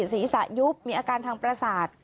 ศีรษะยุบมีอาการทางประสาท